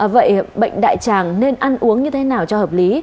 vậy bệnh đại tràng nên ăn uống như thế nào cho hợp lý